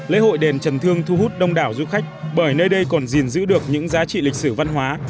lễ hội đền trần thương thu hút đông đảo du khách bởi nơi đây còn gìn giữ được những giá trị lịch sử văn hóa